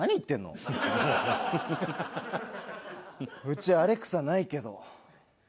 うちアレクサないけど。